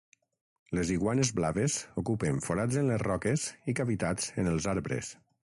Les iguanes blaves ocupen forats en les roques i cavitats en els arbres.